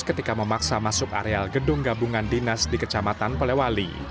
ketika memaksa masuk areal gedung gabungan dinas di kecamatan polewali